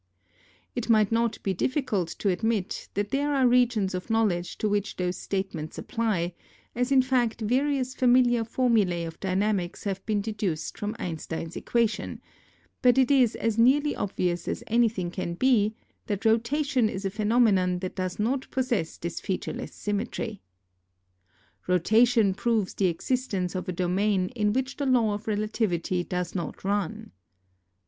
It might not be difficult to admit that there are regions of know ledge to which those statements apply, as in fact various familiar formulae of dynamics have been deduced from Einstein's equations, but it is as nearly obvious as anything can be, that rotation is a phenomenon that does not possess this featureless symmetry. Rotation proves the existence of a domain in which the law of relativity does not run.